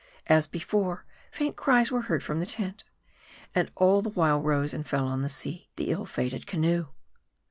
As before, faint cries were heard from the tent. And all the while rose and fell on the sea, the ill fated canoe.